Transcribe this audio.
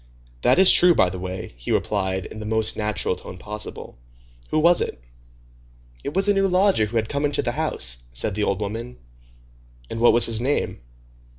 "That is true, by the way," he replied, in the most natural tone possible. "Who was it?" "It was a new lodger who has come into the house," said the old woman. "And what is his name?"